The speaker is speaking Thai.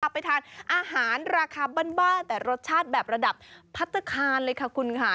ไปทานอาหารราคาบ้านแต่รสชาติแบบระดับพัฒนาคารเลยค่ะคุณค่ะ